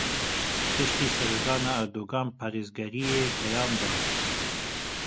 Piştî serdana Erdogan parêzgariyê peyam da.